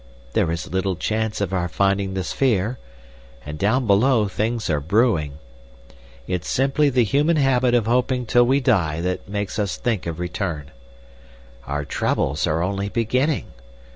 There is little chance of our finding the sphere, and down below things are brewing. It's simply the human habit of hoping till we die that makes us think of return. Our troubles are only beginning.